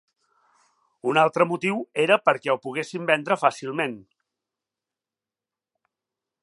Un altre motiu era perquè ho poguessin vendre fàcilment.